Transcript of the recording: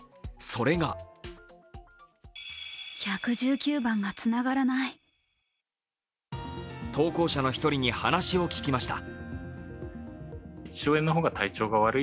それが投稿者の１人に話を聞きました。